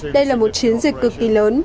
đây là một chiến dịch cực kỳ lớn